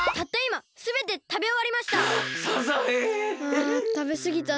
あたべすぎたな。